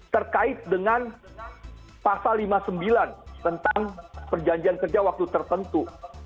terkait dengan pasal lima puluh sembilan tentang perjanjian kerja waktu tertentu